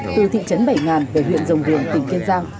từ thị trấn bảy nghìn về huyện dồng viền tỉnh kiên giang